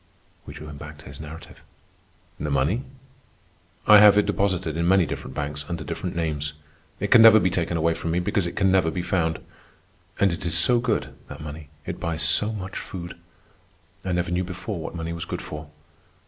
We drew him back to his narrative. "The money? I have it deposited in many different banks under different names. It can never be taken away from me, because it can never be found. And it is so good, that money. It buys so much food. I never knew before what money was good for."